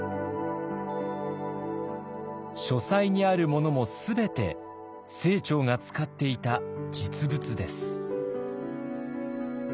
書斎にあるものも全て清張が使っていた実物です。